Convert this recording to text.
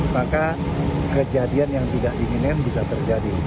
maka kejadian yang tidak diinginkan bisa terjadi